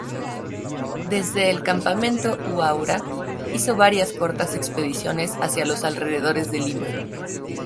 Desde el campamento Huaura hizo varias cortas expediciones hacia los alrededores de Lima.